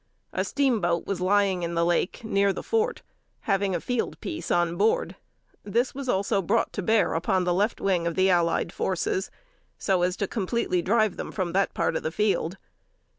A steamboat was lying in the lake, near the fort, having a field piece on board. This was also brought to bear upon the left wing of the allied forces, so as to completely drive them from that part of the field.